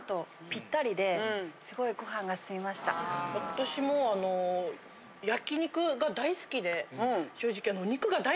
私も焼き肉が大好きで正直。